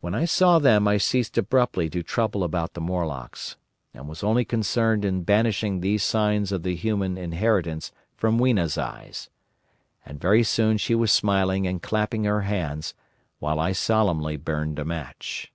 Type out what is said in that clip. When I saw them I ceased abruptly to trouble about the Morlocks, and was only concerned in banishing these signs of her human inheritance from Weena's eyes. And very soon she was smiling and clapping her hands, while I solemnly burnt a match.